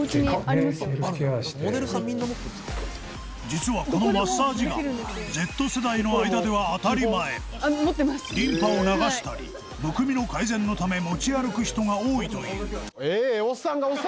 実はこのマッサージガンはリンパを流したりむくみの改善のため持ち歩く人が多いという